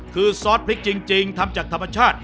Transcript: คือซอสพริกจริงทำจากธรรมชาติ